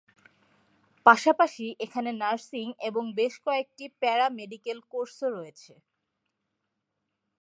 পাশাপাশি এখানে নার্সিং এবং বেশ কয়েকটি প্যারা মেডিকেল কোর্সও রয়েছে।